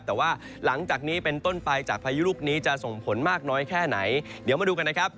แต่ว่าหลังจากนี้เป็นต้นไปจากพายุลูกนี้จะส่งผลมากน้อยแค่ไหนเดี๋ยวมาดูกันนะครับ